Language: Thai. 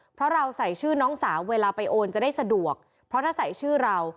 เพราะเราใส่ชื่อน้องสาวเวลาไปโอนจะได้สะดวกเพราะถ้าใส่ชื่อเรา